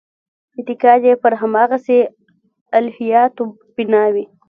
اعتقاد یې پر همدغسې الهیاتو بنا وي.